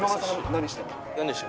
何しても。